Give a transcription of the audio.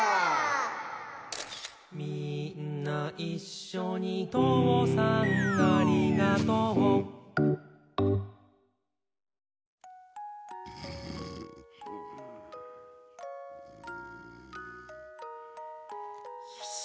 「みーんないっしょにとうさんありがとう」よし。